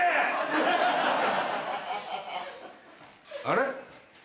あれ？